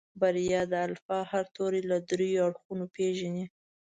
بريا د الفبا هر توری له دريو اړخونو پېژني.